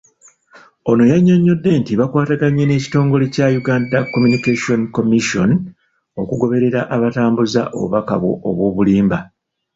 Ono yannyonnyodde nti bakwataganye n'ekitongole kya Uganda Communication Commission , okugoberera abatambuza obubaka obw'obulimba .